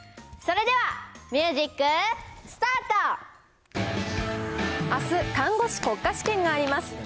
それではミュージック、あす、看護師国家試験があります。